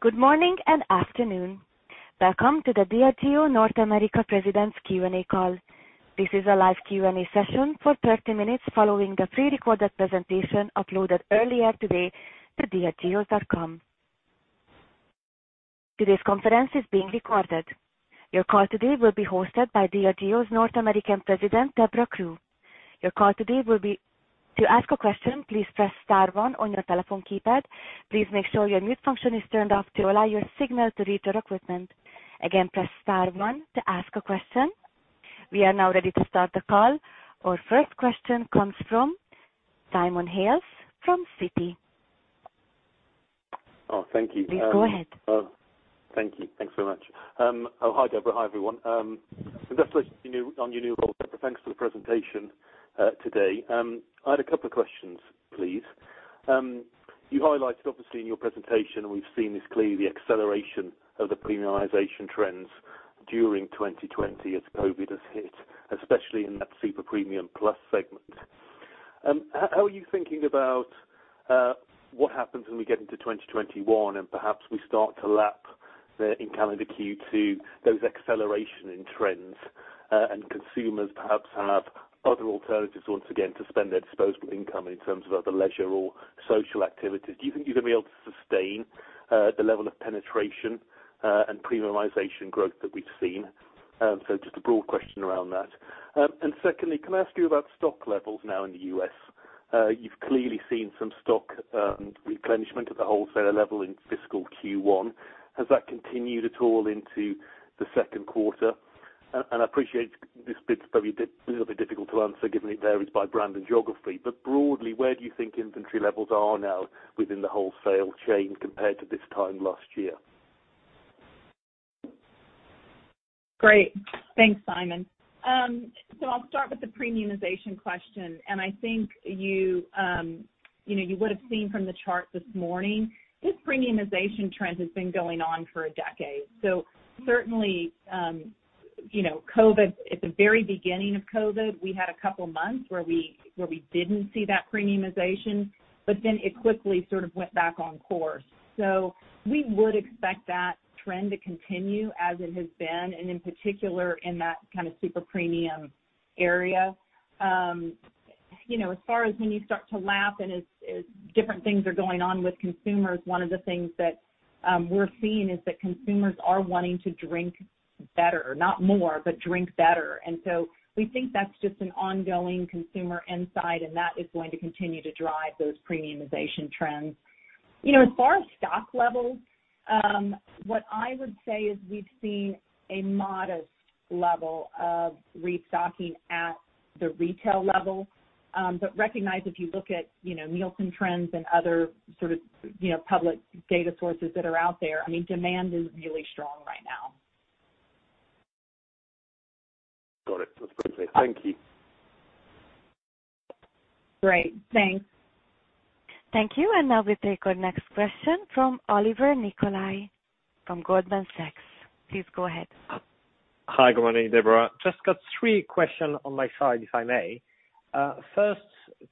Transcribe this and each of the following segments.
Good morning and afternoon. Welcome to the Diageo North America President's Q&A call. This is a live Q&A session for 30 minutes following the pre-recorded presentation uploaded earlier today to diageo.com. Today's conference is being recorded. Your call today will be hosted by Diageo's North American President, Debra Crew. To ask a question, please press star one on your telephone keypad. Please make sure your mute function is turned off to allow your signal to reach our equipment. Again, press star one to ask a question. We are now ready to start the call. Our first question comes from Simon Hales from Citi. Oh, thank you. Please go ahead. Thank you. Thanks so much. Oh, hi, Debra. Hi, everyone. Congratulations on your new role, Debra. Thanks for the presentation today. I had a couple of questions, please. You highlighted, obviously, in your presentation, and we've seen this clearly, the acceleration of the premiumization trends during 2020 as COVID has hit, especially in that super premium plus segment. How are you thinking about what happens when we get into 2021 and perhaps we start to lap in calendar Q2 those acceleration in trends? Consumers perhaps have other alternatives once again to spend their disposable income in terms of other leisure or social activities. Do you think you're going to be able to sustain the level of penetration and premiumization growth that we've seen? Just a broad question around that. Secondly, can I ask you about stock levels now in the U.S.? You've clearly seen some stock replenishment at the wholesaler level in fiscal Q1. Has that continued at all into the second quarter? I appreciate this bit's probably a little bit difficult to answer, given it varies by brand and geography. Broadly, where do you think inventory levels are now within the wholesale chain compared to this time last year? Great. Thanks, Simon. I'll start with the premiumization question. I think you would have seen from the chart this morning, this premiumization trend has been going on for a decade. Certainly, at the very beginning of COVID, we had a couple of months where we didn't see that premiumization, but then it quickly sort of went back on course. We would expect that trend to continue as it has been, and in particular in that kind of super premium area. As far as when you start to lap and as different things are going on with consumers, one of the things that we're seeing is that consumers are wanting to drink better. Not more, but drink better. We think that's just an ongoing consumer insight, and that is going to continue to drive those premiumization trends. As far as stock levels, what I would say is we've seen a modest level of restocking at the retail level. Recognize, if you look at Nielsen trends and other sort of public data sources that are out there, demand is really strong right now. Got it. That's great. Thank you. Great. Thanks. Thank you. Now we take our next question from Olivier Nicolai from Goldman Sachs. Please go ahead. Hi, good morning, Debra. Just got three question on my side, if I may. First,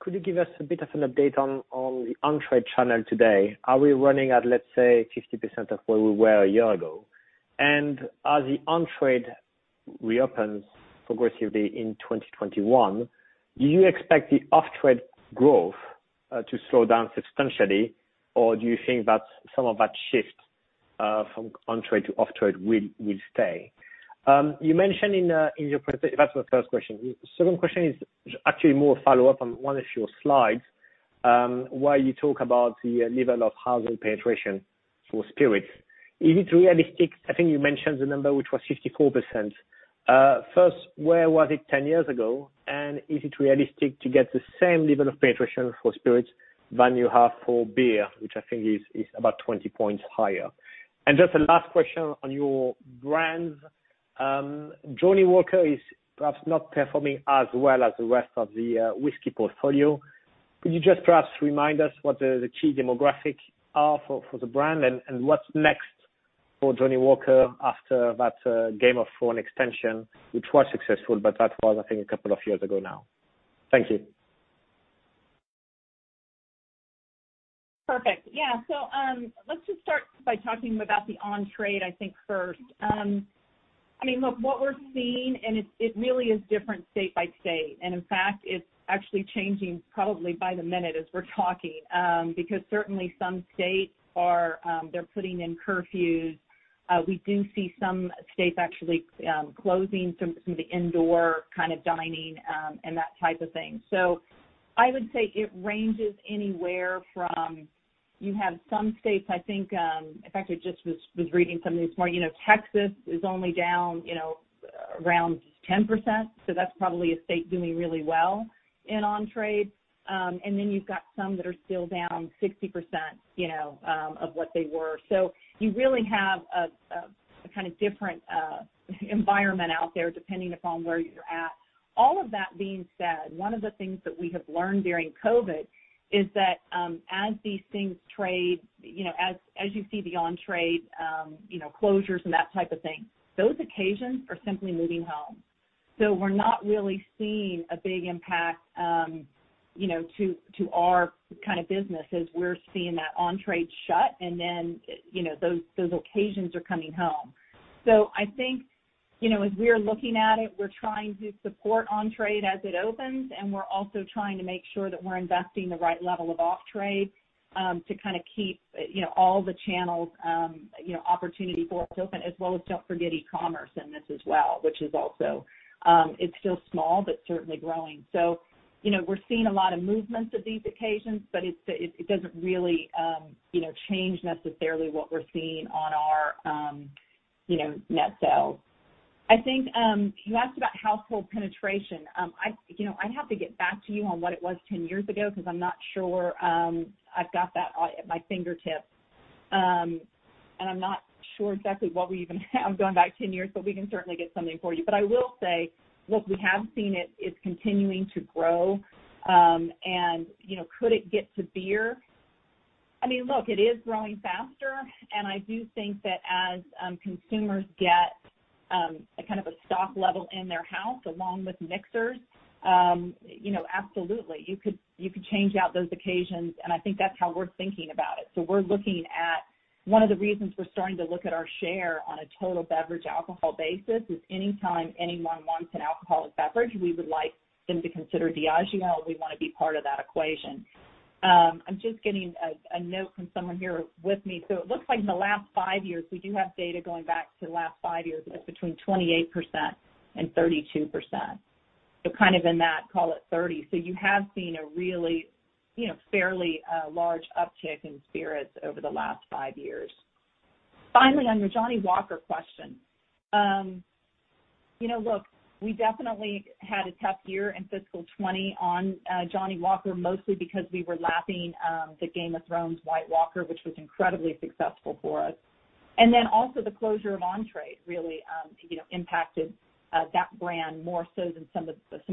could you give us a bit of an update on the on-trade channel today? Are we running at, let's say, 50% of where we were a year ago? As the on-trade reopens progressively in 2021, do you expect the off-trade growth to slow down substantially? Do you think that some of that shift from on-trade to off-trade will stay? That's my first question. Second question is actually more follow-up on one of your slides, where you talk about the level of household penetration for spirits. I think you mentioned the number, which was 64%. First, where was it 10 years ago? Is it realistic to get the same level of penetration for spirits than you have for beer, which I think is about 20 points higher? Just a last question on your brands. Johnnie Walker is perhaps not performing as well as the rest of the whisky portfolio. Could you just perhaps remind us what the key demographic are for the brand, and what's next for Johnnie Walker after that Game of Thrones extension, which was successful, but that was, I think, a couple of years ago now. Thank you. Perfect. Yeah. Let's just start by talking about the on-trade, I think, first. Look, what we're seeing, it really is different state by state. In fact, it's actually changing probably by the minute as we're talking, because certainly some states are putting in curfews. We do see some states actually closing some of the indoor kind of dining, and that type of thing. I would say it ranges anywhere from, you have some states, I think, in fact, I just was reading something this morning. Texas is only down around 10%, so that's probably a state doing really well in on-trade. You've got some that are still down 60% of what they were. You really have a kind of different environment out there, depending upon where you're at. All of that being said, one of the things that we have learned during COVID is that as you see the on-trade closures and that type of thing, those occasions are simply moving home. We're not really seeing a big impact to our kind of business as we're seeing that on-trade shut and then those occasions are coming home. I think, as we're looking at it, we're trying to support on-trade as it opens, and we're also trying to make sure that we're investing the right level of off-trade, to kind of keep all the channels, opportunity for us open as well as don't forget e-commerce in this as well, which is also still small, but certainly growing. We're seeing a lot of movements of these occasions, but it doesn't really change necessarily what we're seeing on our net sales. I think, you asked about household penetration. I'd have to get back to you on what it was 10 years ago, because I'm not sure I've got that at my fingertips. I'm not sure exactly what we even have going back 10 years, but we can certainly get something for you. I will say, look, we have seen it is continuing to grow. Could it get to beer? I mean, look, it is growing faster, and I do think that as consumers get a kind of a stock level in their house along with mixers, absolutely. You could change out those occasions, and I think that's how we're thinking about it. We're looking at one of the reasons we're starting to look at our share on a total beverage alcohol basis is anytime anyone wants an alcoholic beverage, we would like them to consider Diageo. We want to be part of that equation. I'm just getting a note from someone here with me. It looks like in the last five years, we do have data going back to the last five years, it's between 28% and 32%. Kind of in that, call it 30%. You have seen a really fairly large uptick in spirits over the last five years. Finally, on your Johnnie Walker question. Look, we definitely had a tough year in fiscal 2020 on Johnnie Walker, mostly because we were lapping the "Game of Thrones" White Walker, which was incredibly successful for us. Also the closure of on-trade really impacted that brand more so than some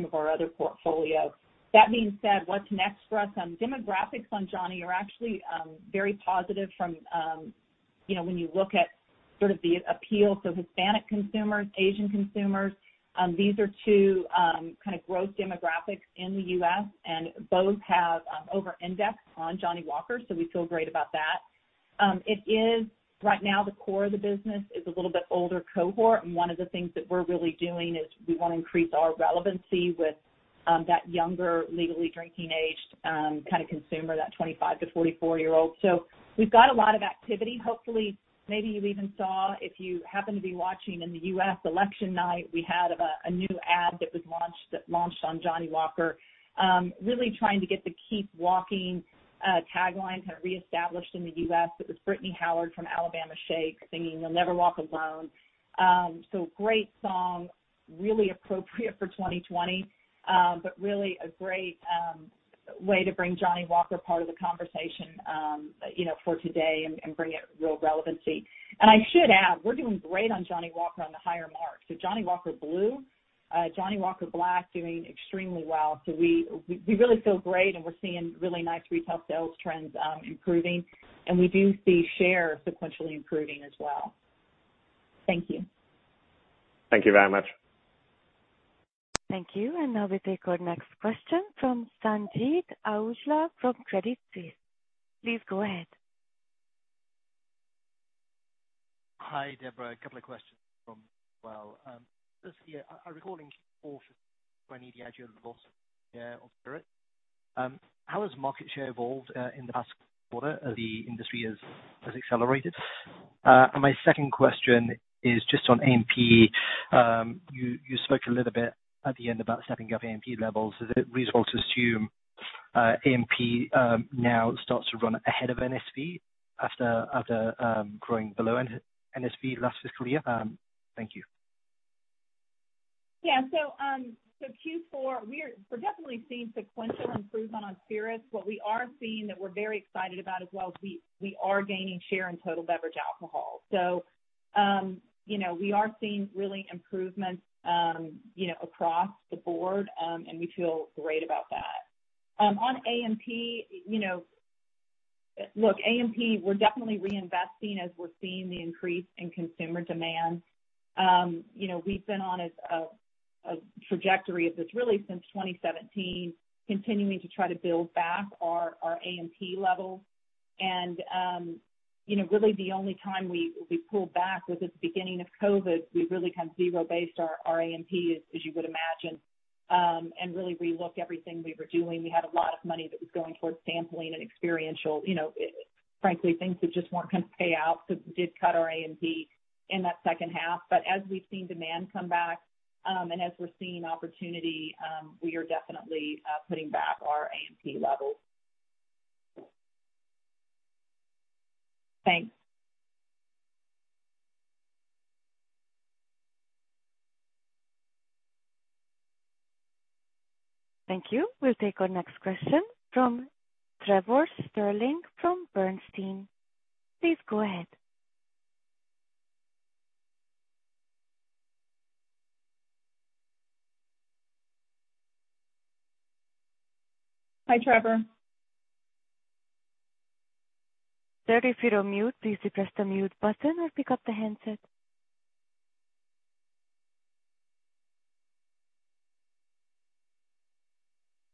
of our other portfolio. That being said, what's next for us? Demographics on Johnnie Walker are actually very positive from when you look at sort of the appeal. Hispanic consumers, Asian consumers, these are two kind of growth demographics in the U.S., and both have over-indexed on Johnnie Walker, so we feel great about that. It is, right now, the core of the business. It's a little bit older cohort, and one of the things that we're really doing is we want to increase our relevancy with that younger, legally drinking aged kind of consumer, that 25-44 year-old. We've got a lot of activity. Hopefully, maybe you even saw, if you happen to be watching in the U.S. election night, we had a new ad that launched on Johnnie Walker, really trying to get the Keep Walking tagline kind of reestablished in the U.S. It was Brittany Howard from Alabama Shakes singing "You'll Never Walk Alone." Great song, really appropriate for 2020. Really a great way to bring Johnnie Walker part of the conversation for today and bring it real relevancy. I should add, we're doing great on Johnnie Walker on the higher mark. Johnnie Walker Blue, Johnnie Walker Black doing extremely well. We really feel great, and we're seeing really nice retail sales trends improving, and we do see share sequentially improving as well. Thank you. Thank you very much. Thank you. Now we take our next question from Sanjeet Aujla from Credit Suisse. Please go ahead. Hi, Debra. A couple of questions from me as well. Just here, I recall in Q4 fiscal 2020, Diageo lost share on spirit. How has market share evolved in the past quarter as the industry has accelerated? My second question is just on A&P. You spoke a little bit at the end about stepping up A&P levels. Is it reasonable to assume A&P now starts to run ahead of NSV after growing below NSV last fiscal year? Thank you. Yeah. Q4, we're definitely seeing sequential improvement on spirits. What we are seeing that we're very excited about as well is we are gaining share in total beverage alcohol. We are seeing really improvements across the board, and we feel great about that. On A&P, look, A&P, we're definitely reinvesting as we're seeing the increase in consumer demand. We've been on a trajectory of this really since 2017, continuing to try to build back our A&P levels. Really the only time we pulled back was at the beginning of COVID. We really kind of zero-based our A&P, as you would imagine, and really re-look everything we were doing. We had a lot of money that was going towards sampling and experiential, frankly, things that just weren't going to pay out, so we did cut our A&P in that second half. As we've seen demand come back, and as we're seeing opportunity, we are definitely putting back our A&P levels. Thanks. Thank you. We'll take our next question from Trevor Stirling from Bernstein. Please go ahead. Hi, Trevor. Sir, if you're on mute, please press the mute button or pick up the handset.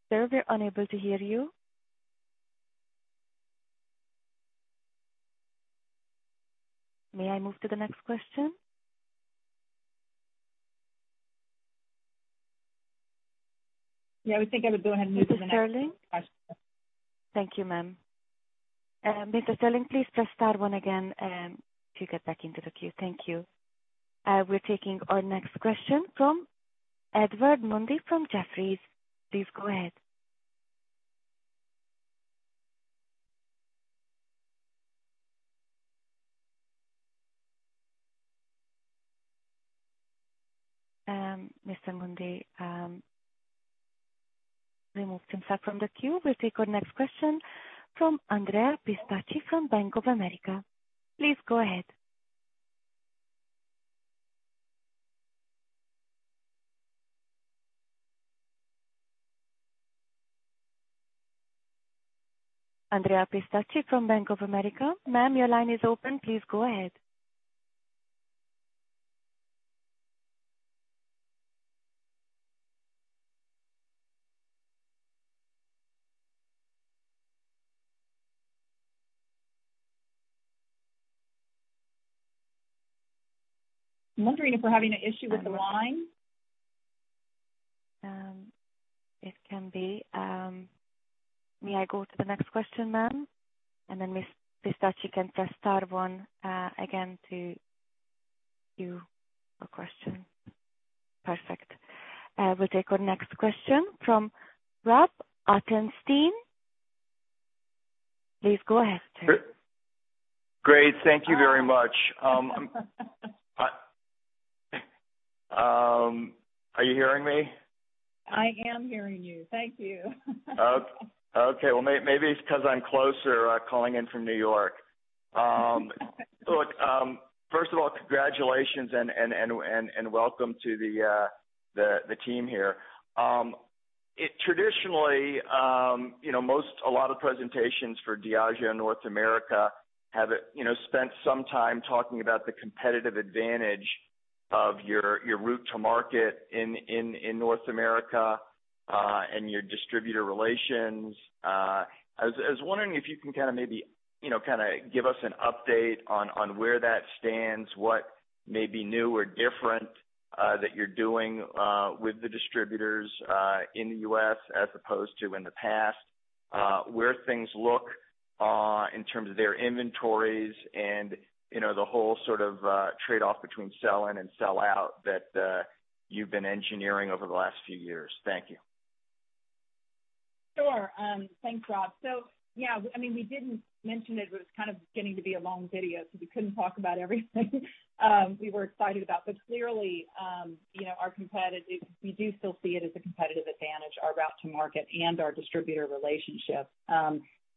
Sir, we're unable to hear you. May I move to the next question? Yeah, I think I would go ahead and move to the next question. Mr. Stirling? Thank you, ma'am. Mr. Stirling, please press star one again to get back into the queue. Thank you. We're taking our next question from Edward Mundy from Jefferies. Please go ahead. Mr. Mundy removed himself from the queue. We'll take our next question from Andrea Pistacchi from Bank of America. Please go ahead. Andrea Pistacchi from Bank of America. Ma'am, your line is open. Please go ahead. I'm wondering if we're having an issue with the line. It can be. May I go to the next question, ma'am? Mr. Pistacchi can press star one again to queue a question. Perfect. We'll take our next question from Rob Ottenstein. Please go ahead, sir. Great. Thank you very much. Are you hearing me? I am hearing you. Thank you. Okay. Well, maybe it's because I'm closer calling in from New York. Look, first of all, congratulations and welcome to the team here. Traditionally, a lot of presentations for Diageo North America have spent some time talking about the competitive advantage of your route to market in North America, and your distributor relations. I was wondering if you can kind of maybe give us an update on where that stands, what may be new or different that you're doing with the distributors in the U.S. as opposed to in the past, where things look in terms of their inventories and the whole sort of trade-off between sell-in and sell-out that you've been engineering over the last few years. Thank you. Sure. Thanks, Rob. Yeah, we didn't mention it. It was kind of getting to be a long video, so we couldn't talk about everything we were excited about. Clearly, we do still see it as a competitive advantage, our route to market and our distributor relationship.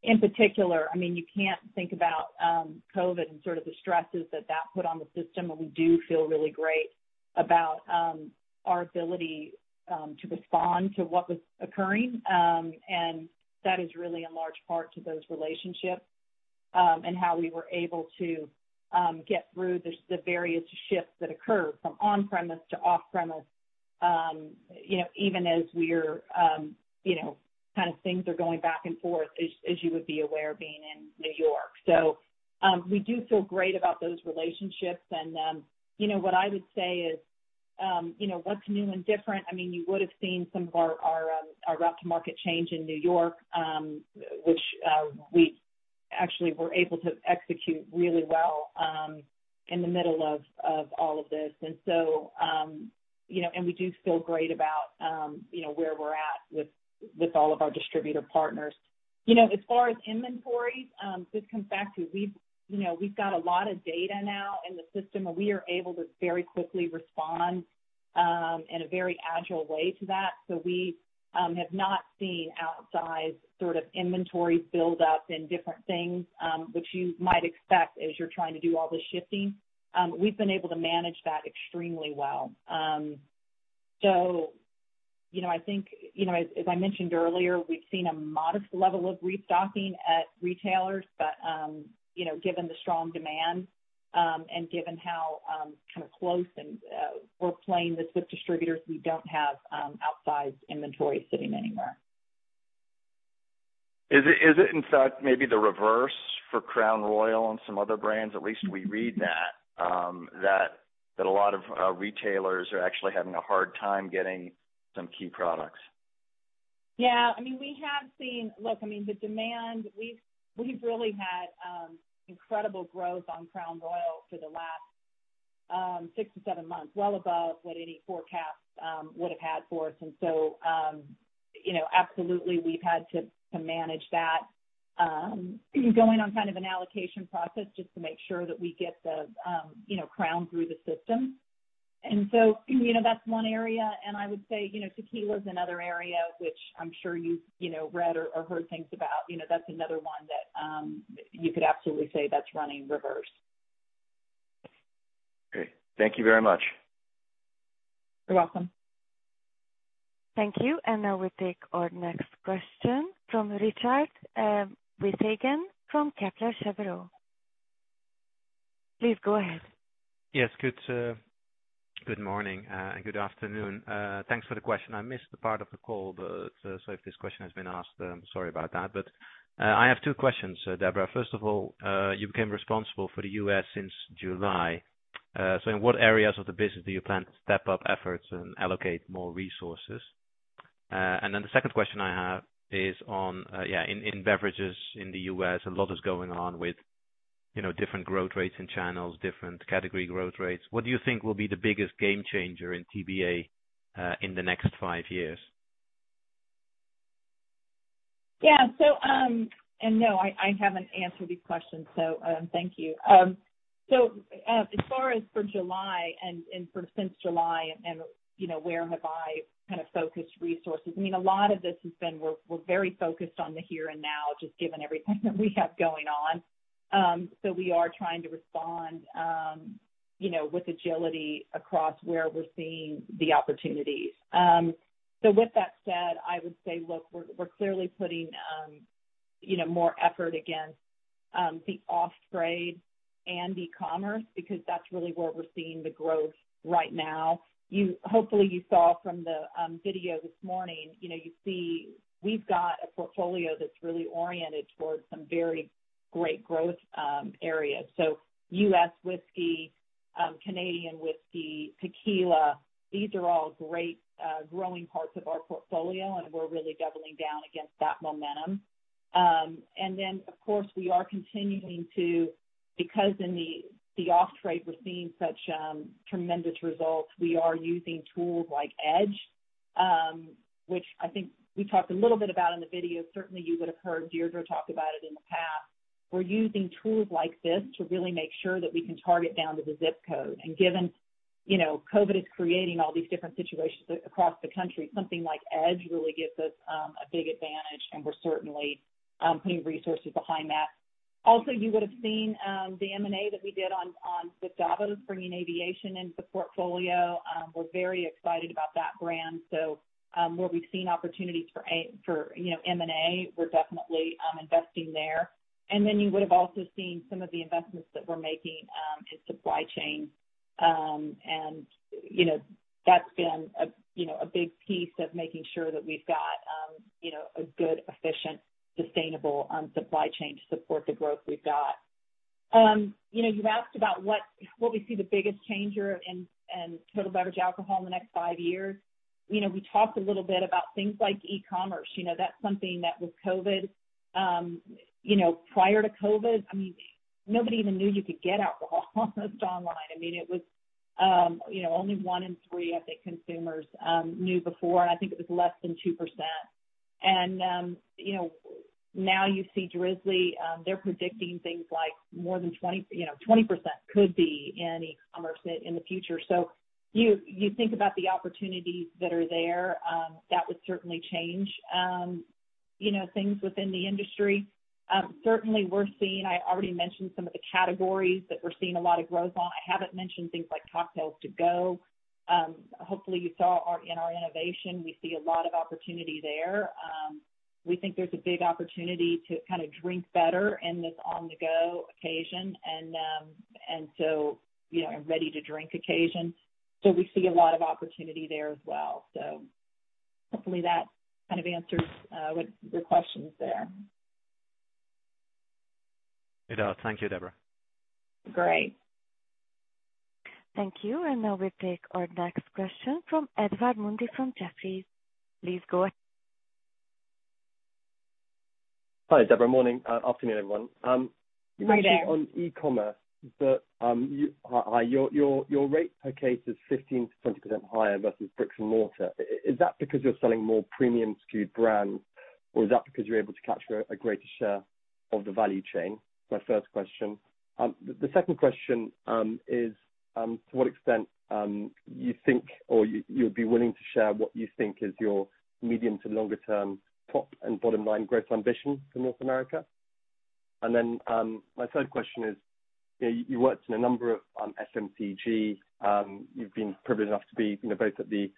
In particular, you can't think about COVID and sort of the stresses that put on the system, and we do feel really great about our ability to respond to what was occurring. That is really in large part to those relationships, and how we were able to get through the various shifts that occurred from on-premise to off-premise, even as things are going back and forth, as you would be aware, being in New York. We do feel great about those relationships. What I would say is what's new and different, you would have seen some of our route to market change in New York, which we actually were able to execute really well in the middle of all of this. We do feel great about where we're at with all of our distributor partners. As far as inventories, this comes back to we've got a lot of data now in the system, and we are able to very quickly respond in a very agile way to that. We have not seen outsized sort of inventory build up in different things, which you might expect as you're trying to do all the shifting. We've been able to manage that extremely well. I think, as I mentioned earlier, we've seen a modest level of restocking at retailers. Given the strong demand, and given how kind of close and we're playing this with distributors, we don't have outsized inventory sitting anywhere. Is it in fact maybe the reverse for Crown Royal and some other brands? At least we read that a lot of retailers are actually having a hard time getting some key products. Yeah. Look, the demand, we've really had incredible growth on Crown Royal for the last six to seven months, well above what any forecast would have had for us. Absolutely, we've had to manage that, going on kind of an allocation process just to make sure that we get the Crown through the system. That's one area. I would say tequila is another area which I'm sure you've read or heard things about. That's another one that you could absolutely say that's running reverse. Great. Thank you very much. You're welcome. Thank you. Now we take our next question from Richard Withagen from Kepler Cheuvreux. Please go ahead. Yes. Good morning and good afternoon. Thanks for the question. I missed the part of the call, so if this question has been asked, I'm sorry about that. I have two questions, Debra. First of all, you became responsible for the U.S. since July. In what areas of the business do you plan to step up efforts and allocate more resources? The second question I have is on, in beverages in the U.S., a lot is going on with different growth rates in channels, different category growth rates. What do you think will be the biggest game changer in TBA, in the next five years? Yeah. No, I haven't answered these questions. Thank you. As far as for July and for since July, where have I kind of focused resources, I mean, a lot of this has been, we're very focused on the here and now, just given everything that we have going on. We are trying to respond, with agility across where we're seeing the opportunities. With that said, I would say, look, we're clearly putting more effort against the off-trade and e-commerce because that's really where we're seeing the growth right now. Hopefully you saw from the video this morning, you see we've got a portfolio that's really oriented towards some very great growth areas. U.S. whiskey, Canadian whisky, tequila, these are all great growing parts of our portfolio, and we're really doubling down against that momentum. Of course, we are continuing to, because in the off-trade, we're seeing such tremendous results. We are using tools like EDGE, which I think we talked a little bit about in the video. Certainly, you would have heard Deirdre talk about it in the past. We're using tools like this to really make sure that we can target down to the zip code. Given COVID is creating all these different situations across the country, something like EDGE really gives us a big advantage, and we're certainly putting resources behind that. Also, you would have seen the M&A that we did with Davos, bringing Aviation into the portfolio. We're very excited about that brand. Where we've seen opportunities for M&A, we're definitely investing there. You would have also seen some of the investments that we're making in supply chain. That's been a big piece of making sure that we've got a good, efficient, sustainable supply chain to support the growth we've got. You've asked about what we see the biggest changer in Total Beverage Alcohol in the next five years. We talked a little bit about things like e-commerce. That's something that with COVID prior to COVID, I mean, nobody even knew you could get alcohol almost online. It was only one in three, I think, consumers knew before, and I think it was less than 2%. Now you see Drizly, they're predicting things like more than 20% could be in e-commerce in the future. You think about the opportunities that are there, that would certainly change things within the industry. Certainly, we're seeing, I already mentioned some of the categories that we're seeing a lot of growth on. I haven't mentioned things like cocktails-to-go. Hopefully, you saw in our innovation, we see a lot of opportunity there. We think there's a big opportunity to kind of drink better in this on-the-go occasion, and ready-to-drink occasion. We see a lot of opportunity there as well. Hopefully that kind of answers your questions there. It does. Thank you, Debra. Great. Thank you. Now we take our next question from Edward Mundy from Jefferies. Hi, Debra. Morning. Afternoon, everyone. Hi, there. Actually, on e-commerce, your rate per case is 15%-20% higher versus bricks and mortar. Is that because you're selling more premium skewed brands, or is that because you're able to capture a greater share of the value chain? My first question. The second question is, to what extent you think or you'd be willing to share what you think is your medium to longer term top and bottom line growth ambition for North America? My third question is, you worked in a number of FMCG. You've been privileged enough to be both at the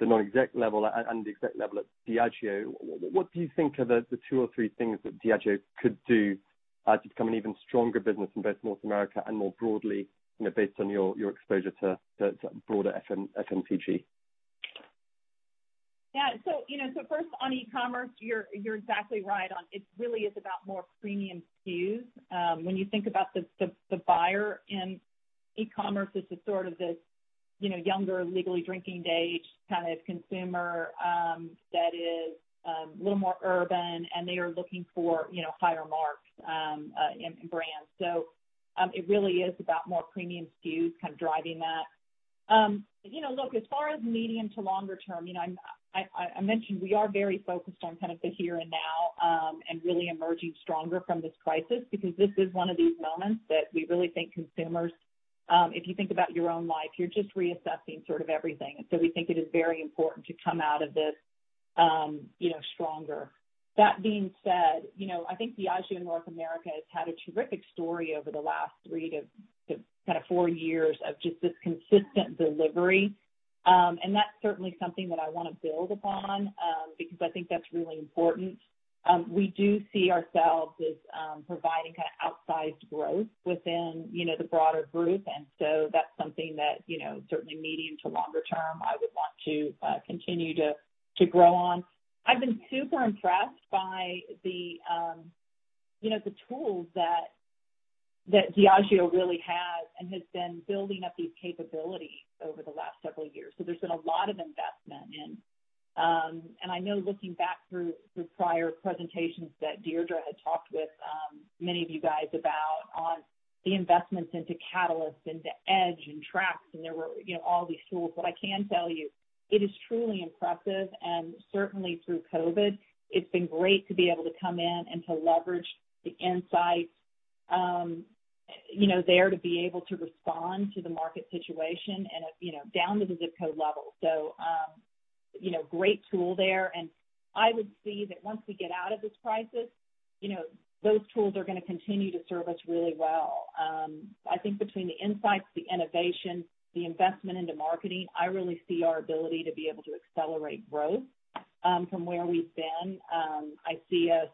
non-exec level and the exec level at Diageo. What do you think are the two or three things that Diageo could do to become an even stronger business in both North America and more broadly, based on your exposure to broader FMCG? Yeah. First, on e-commerce, you're exactly right. It really is about more premium SKUs. When you think about the buyer in e-commerce, it's the sort of this younger, legally drinking age kind of consumer, that is a little more urban, and they are looking for higher marks in brands. It really is about more premium SKUs kind of driving that. Look, as far as medium to longer term, I mentioned we are very focused on kind of the here and now, and really emerging stronger from this crisis because this is one of these moments that we really think consumers, if you think about your own life, you're just reassessing sort of everything. We think it is very important to come out of this stronger. That being said, I think Diageo North America has had a terrific story over the last three to kind of four years of just this consistent delivery. That's certainly something that I want to build upon, because I think that's really important. We do see ourselves as providing kind of outsized growth within the broader group. That's something that, certainly medium to longer term, I would want to continue to grow on. I've been super impressed by the tools that Diageo really has and has been building up these capabilities over the last several years. There's been a lot of investment. I know looking back through the prior presentations that Deirdre had talked with many of you guys about on the investments into Catalyst, into EDGE, and Trax. There were all these tools. I can tell you, it is truly impressive, and certainly through COVID, it's been great to be able to come in and to leverage the insights there to be able to respond to the market situation and down to the zip code level. Great tool there. I would see that once we get out of this crisis, those tools are going to continue to serve us really well. I think between the insights, the innovation, the investment into marketing, I really see our ability to be able to accelerate growth from where we've been. I see us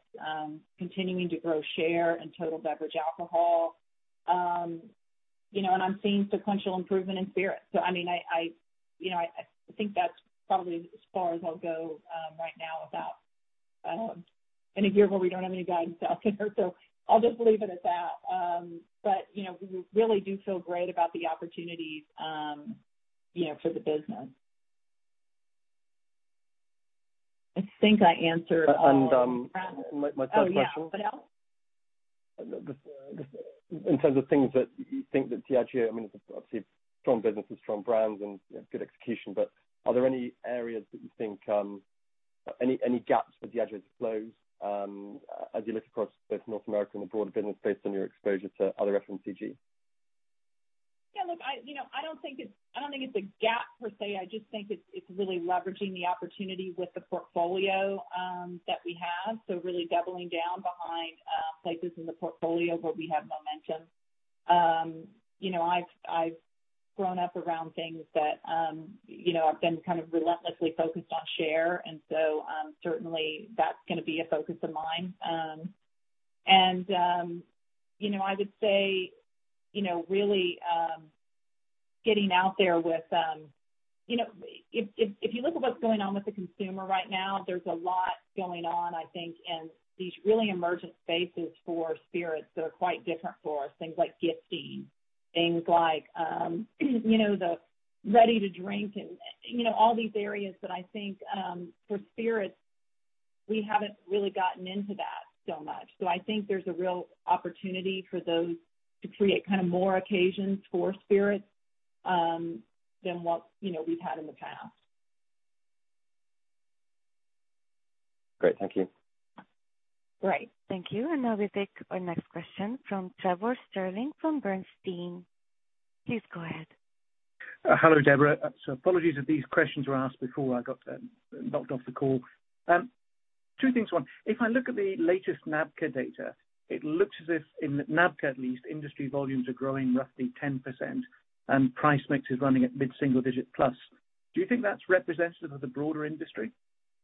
continuing to grow share and total beverage alcohol. I'm seeing sequential improvement in spirit. I think that's probably as far as I'll go right now about in a year where we don't have any guidance out there. I'll just leave it at that. We really do feel great about the opportunities for the business. My third question. Oh, yeah. What else? In terms of things that you think that Diageo, I mean, it's obviously a strong business and strong brands and good execution, but are there any areas that you think, any gaps for Diageo to close, as you look across both North America and the broader business based on your exposure to other FMCG? Yeah, look, I don't think it's a gap per se. I just think it's really leveraging the opportunity with the portfolio that we have. Really doubling down behind places in the portfolio where we have momentum. I've grown up around things that I've been kind of relentlessly focused on share, and so, certainly that's going to be a focus of mine. I would say really getting out there with If you look at what's going on with the consumer right now, there's a lot going on, I think, in these really emergent spaces for spirits that are quite different for us. Things like gifting, things like the ready-to-drink and all these areas. I think, for spirits, we haven't really gotten into that so much. I think there's a real opportunity for those to create more occasions for spirits than what we've had in the past. Great. Thank you. Great. Thank you. Now we take our next question from Trevor Stirling, from Bernstein. Please go ahead. Hello, Debra. Apologies if these questions were asked before I got docked off the call. Two things. One, if I look at the latest NABCA data, it looks as if in NABCA at least, industry volumes are growing roughly 10%, and price mix is running at mid-single digit plus. Do you think that's representative of the broader industry?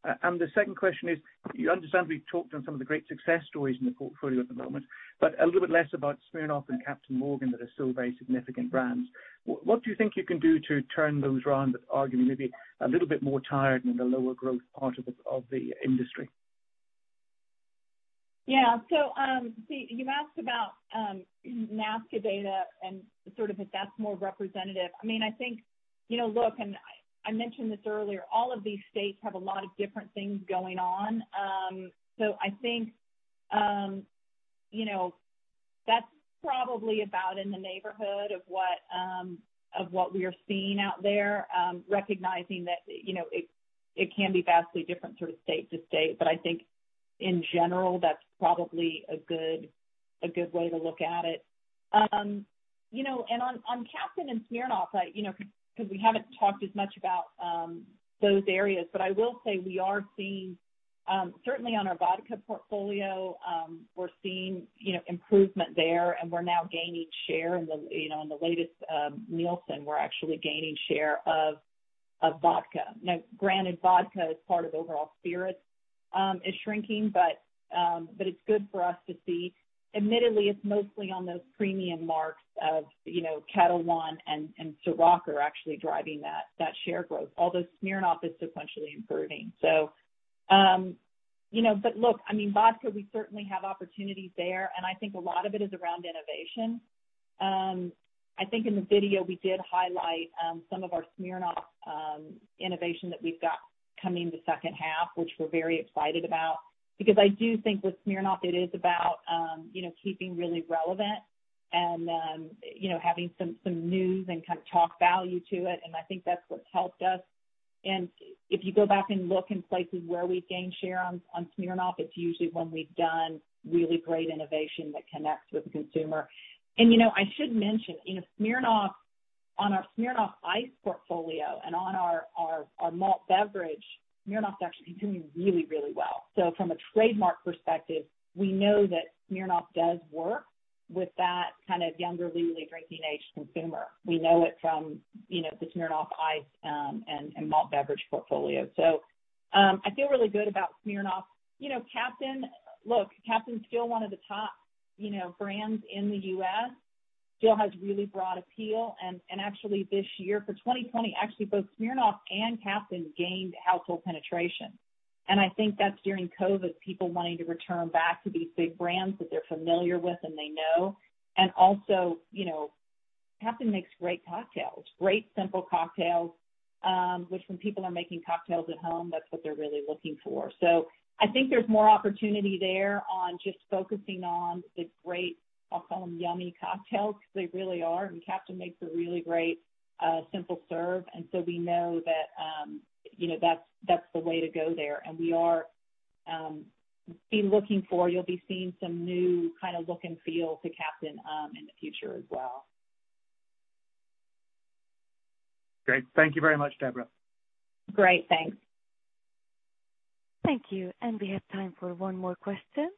The second question is, you understandably talked on some of the great success stories in the portfolio at the moment, but a little bit less about Smirnoff and Captain Morgan that are still very significant brands. What do you think you can do to turn those around that arguably may be a little bit more tired in the lower growth part of the industry? Yeah. You asked about NABCA data and sort of if that's more representative. I think, look, and I mentioned this earlier, all of these states have a lot of different things going on. I think that's probably about in the neighborhood of what we are seeing out there. Recognizing that it can be vastly different sort of state to state. I think in general, that's probably a good way to look at it. On Captain and Smirnoff, because we haven't talked as much about those areas. I will say we are seeing, certainly on our vodka portfolio, we're seeing improvement there, and we're now gaining share. In the latest Nielsen, we're actually gaining share of vodka. Now granted, vodka is part of the overall spirit, is shrinking, but it's good for us to see. Admittedly, it's mostly on those premium marks of Ketel One and Cîroc are actually driving that share growth. Smirnoff is sequentially improving. Look, vodka, we certainly have opportunities there, and I think a lot of it is around innovation. I think in the video, we did highlight some of our Smirnoff innovation that we've got coming the second half, which we're very excited about. I do think with Smirnoff it is about keeping really relevant and having some news and kind of talk value to it. I think that's what's helped us. If you go back and look in places where we've gained share on Smirnoff, it's usually when we've done really great innovation that connects with the consumer. I should mention, Smirnoff, on our Smirnoff Ice portfolio and on our malt beverage, Smirnoff's actually doing really well. From a trademark perspective, we know that Smirnoff does work with that kind of younger legally drinking age consumer. We know it from the Smirnoff Ice and malt beverage portfolio. I feel really good about Smirnoff. Captain, look, Captain's still one of the top brands in the U.S. still has really broad appeal. Actually this year for 2020, actually, both Smirnoff and Captain gained household penetration. I think that's during COVID, people wanting to return back to these big brands that they're familiar with and they know. Also, Captain makes great cocktails, great simple cocktails, which when people are making cocktails at home, that's what they're really looking for. I think there's more opportunity there on just focusing on the great, I'll call them yummy cocktails, because they really are. Captain makes a really great, simple serve. We know that's the way to go there. You'll be seeing some new kind of look and feel to Captain in the future as well. Great. Thank you very much, Debra. Great. Thanks. Thank you. We have time for one more question.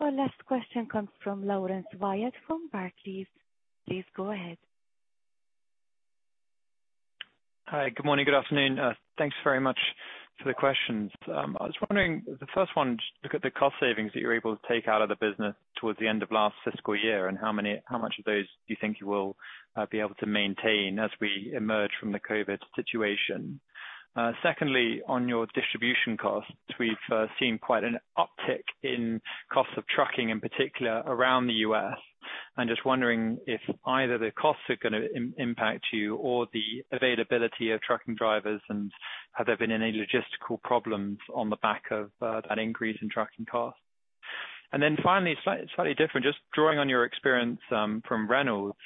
Our last question comes from Laurence Whyatt from Barclays. Please go ahead. Hi. Good morning. Good afternoon. Thanks very much for the questions. I was wondering, the first one, just look at the cost savings that you were able to take out of the business towards the end of last fiscal year, and how much of those do you think you will be able to maintain as we emerge from the COVID situation? Secondly, on your distribution costs, we've seen quite an uptick in costs of trucking, in particular around the U.S., I'm just wondering if either the costs are going to impact you or the availability of trucking drivers, and have there been any logistical problems on the back of that increase in trucking costs? Finally, slightly different, just drawing on your experience from Reynolds.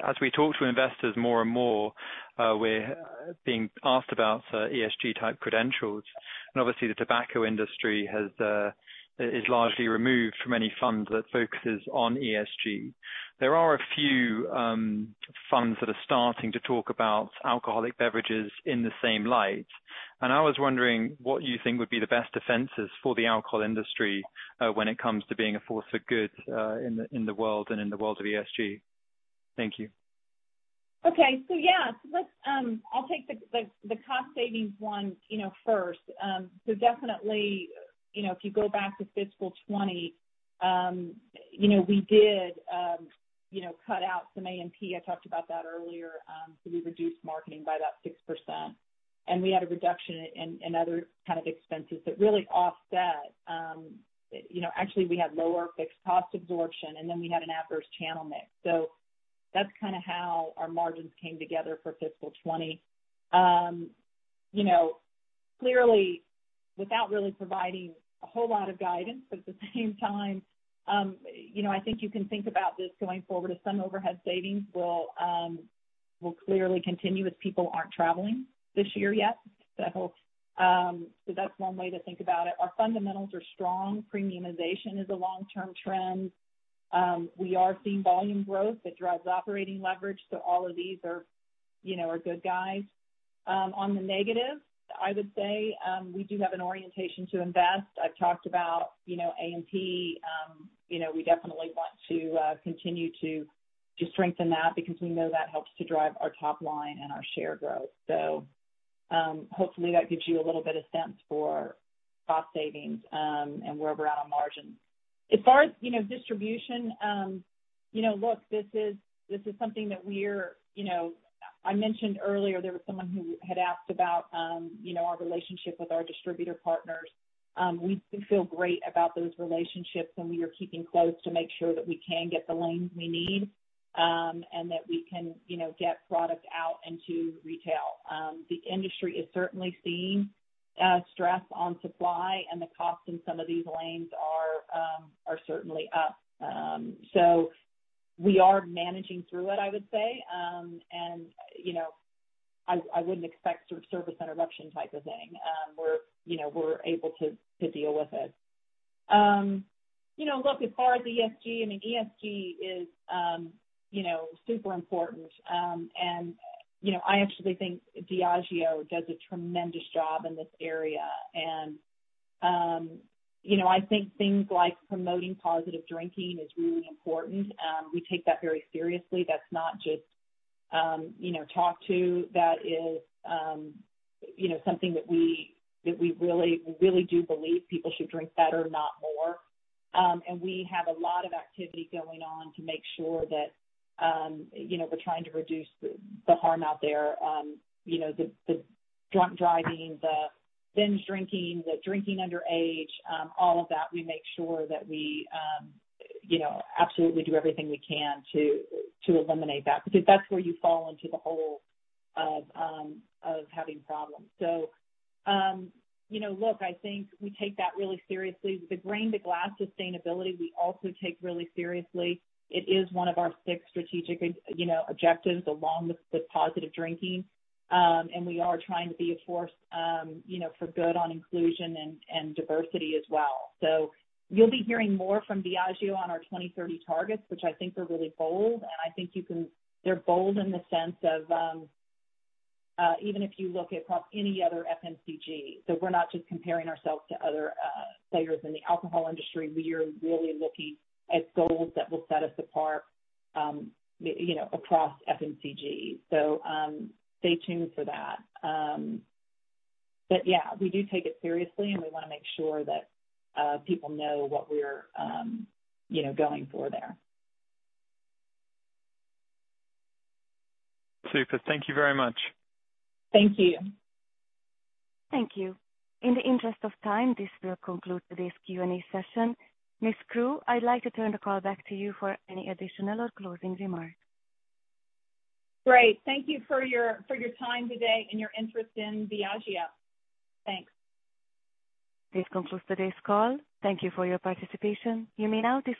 As we talk to investors more and more, we're being asked about ESG type credentials. Obviously the tobacco industry is largely removed from any fund that focuses on ESG. There are a few funds that are starting to talk about alcoholic beverages in the same light, and I was wondering what you think would be the best defenses for the alcohol industry when it comes to being a force for good in the world and in the world of ESG. Thank you. Okay. Yeah, I'll take the cost savings one first. Definitely, if you go back to fiscal 2020, we did cut out some A&P. I talked about that earlier. We reduced marketing by about 6%. We had a reduction in other kind of expenses that really offset. Actually, we had lower fixed cost absorption, we had an adverse channel mix. That's kind of how our margins came together for fiscal 2020. Clearly, without really providing a whole lot of guidance, at the same time, I think you can think about this going forward, as some overhead savings will clearly continue as people aren't traveling this year yet. That's one way to think about it. Our fundamentals are strong. Premiumization is a long-term trend. We are seeing volume growth that drives operating leverage. All of these are good guides. On the negative, I would say, we do have an orientation to invest. I've talked about A&P. We definitely want to continue to strengthen that because we know that helps to drive our top line and our share growth. Hopefully that gives you a little bit of sense for cost savings and where we're at on margins. As far as distribution, look, this is something that I mentioned earlier. There was someone who had asked about our relationship with our distributor partners. We feel great about those relationships, and we are keeping close to make sure that we can get the lanes we need, and that we can get product out into retail. The industry is certainly seeing stress on supply, and the cost in some of these lanes are certainly up. We are managing through it, I would say. I wouldn't expect service interruption type of thing. We're able to deal with it. Look, as far as ESG, I mean, ESG is super important. I actually think Diageo does a tremendous job in this area. I think things like promoting positive drinking is really important. We take that very seriously. That's not just talk, too. That is something that we really do believe people should drink better, not more. We have a lot of activity going on to make sure that we're trying to reduce the harm out there. The drunk driving, the binge drinking, the drinking underage, all of that, we make sure that we absolutely do everything we can to eliminate that, because that's where you fall into the hole of having problems. Look, I think we take that really seriously. The grain-to-glass sustainability, we also take really seriously. It is one of our six strategic objectives along with positive drinking. We are trying to be a force for good on inclusion and diversity as well. You'll be hearing more from Diageo on our 2030 targets, which I think are really bold, and I think they're bold in the sense of even if you look across any other FMCG. We're not just comparing ourselves to other players in the alcohol industry. We are really looking at goals that will set us apart across FMCG. Stay tuned for that. But yeah, we do take it seriously, and we want to make sure that people know what we're going for there. Super. Thank you very much. Thank you. Thank you. In the interest of time, this will conclude today's Q&A session. Ms. Crew, I'd like to turn the call back to you for any additional or closing remarks. Great. Thank you for your time today and your interest in Diageo. Thanks. This concludes today's call. Thank you for your participation. You may now disconnect.